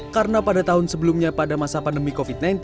karena pada tahun sebelumnya pada masa pandemi covid sembilan belas